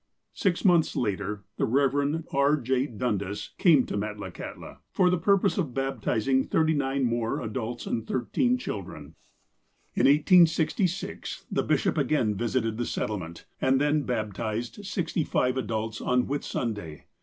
Six months later, the Eev. E. J. Dundas came to Met lakahtla, for tlie purpose of baptizing thirty nine more adults and thirteen children. ONWARD AND UPWARD 173 lu 1866, the bishop again visited the settlement, and then baj)tized sixty five adults on Whitsunday.